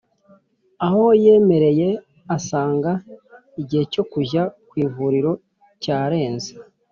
aho yemereye asanga igihe cyo kujya ku ivuriro cyarenze.